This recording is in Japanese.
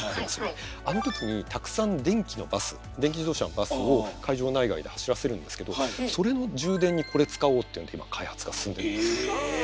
あの時にたくさん電気のバス電気自動車のバスを会場内外で走らせるんですけどそれの充電にこれ使おうっていうので今開発が進んでいます。